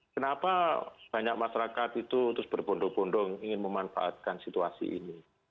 kenapa banyak masyarakat itu terus berbondong bondong ingin memanfaatkan situasi ini